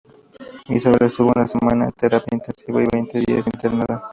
Isabel estuvo una semana en terapia intensiva y veinte días internada.